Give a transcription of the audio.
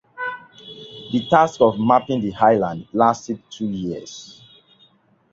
The task of mapping the island lasted two years.